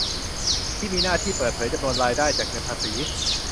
ที่มีหน้าที่เปิดเผยจำนวนรายได้จากเงินภาษี